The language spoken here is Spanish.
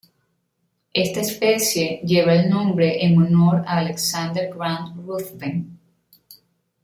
Esta especie lleva el nombre en honor a Alexander Grant Ruthven.